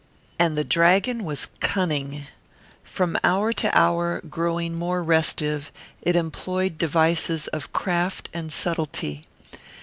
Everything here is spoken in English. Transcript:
And the dragon was cunning. From hour to hour, growing more restive, it employed devices of craft and subtlety.